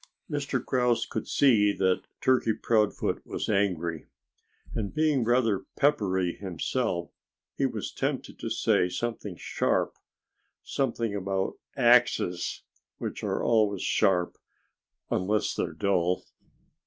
Mr. Grouse could see that Turkey Proudfoot was angry. And being rather peppery himself, he was tempted to say something sharp something about axes, which are always sharp unless they're dull.